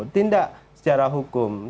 tindak secara hukum